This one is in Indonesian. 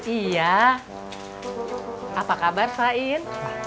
iya apa kabar fahin